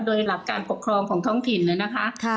โดยหลักการปกครองของท้องถิ่นเลยนะคะ